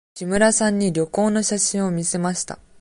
木村さんに旅行の写真を見せました。